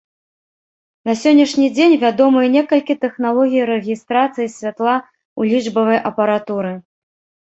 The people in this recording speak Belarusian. На сённяшні дзень вядомыя некалькі тэхналогій рэгістрацыі святла ў лічбавай апаратуры.